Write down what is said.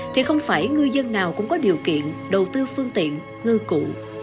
thì không phải ngư dân nào cũng có điều kiện đầu tư phương tiện ngư cụ